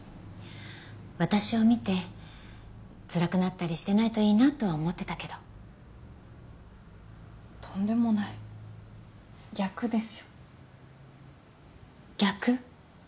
私を見てつらくなったりしてないといいなとは思ってたけどとんでもない逆ですよ逆？